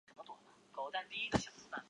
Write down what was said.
石英石矿藏丰富。